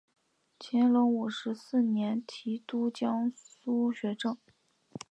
乾隆五十四年提督江苏学政。